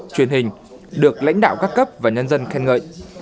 truyền hình được lãnh đạo các cấp và nhân dân khen ngợi